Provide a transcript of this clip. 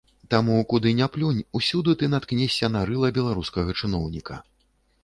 Таму куды не плюнь, усюды ты наткнешся на рыла беларускага чыноўніка.